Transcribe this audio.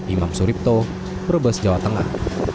imam suripto brebes jawa tengah